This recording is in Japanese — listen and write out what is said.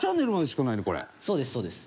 そうです、そうです。